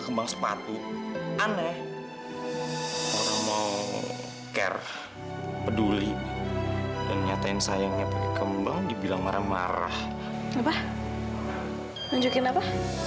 kan papa harusnya di singapura pa